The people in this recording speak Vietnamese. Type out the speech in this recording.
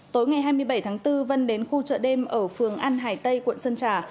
tối ngày hai mươi bảy tháng bốn vân đến khu chợ đêm ở phường an hải tây quận sơn trà